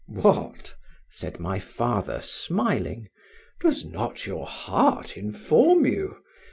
"What!" said my father smiling, "does not your heart inform you?